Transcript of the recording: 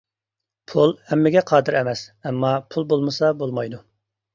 پۇل ھەممىگە قادىر ئەمەس، ئەمما پۇل بولمىسا بولمايدۇ.